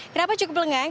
kenapa cukup lengang